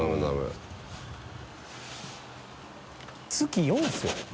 小瀧）月４ですよ。